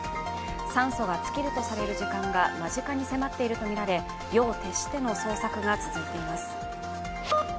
酸素が尽きるとされる時間が間近に迫っているとみられ夜を徹しての捜索が続いています。